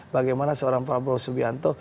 bagaimana seorang prabowo subianto